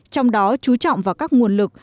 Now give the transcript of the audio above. trong đó chú trọng vào các nguồn lực